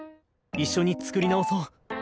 一緒に作り直そう。